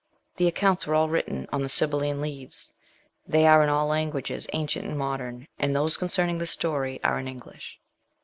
The accounts are all written on the sibyl line leaves; they are in all languages, ancient and modern; and those concerning this story are in English.